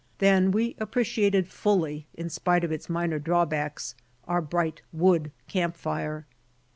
Then we appreciated fully, in spite of its minor drawbacks, our bright wood camp fire.